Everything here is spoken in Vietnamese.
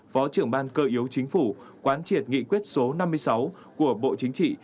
phó trưởng ban cơ yếu chính phủ quán triệt nghị quyết số năm mươi sáu của bộ chính trị